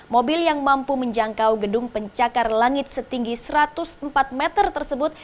mobil yang mampu menjangkau gedung pencakar langit setinggi satu ratus empat meter tersebut